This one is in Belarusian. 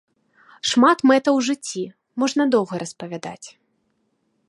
Шмат мэтаў у жыцці, можна доўга распавядаць.